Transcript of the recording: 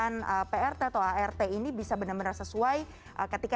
nah ini harus naik